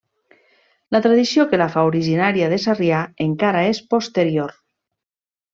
La tradició que la fa originària de Sarrià encara és posterior.